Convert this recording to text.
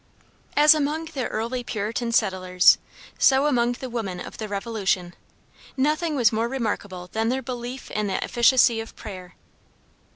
As among the early Puritan settlers, so among the women of the Revolution, nothing was more remarkable than their belief in the efficacy of prayer.